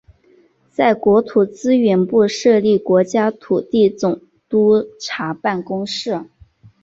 在国土资源部设立国家土地总督察办公室。